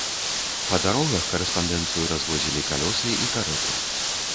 Па дарогах карэспандэнцыю развозілі калёсы і карэты.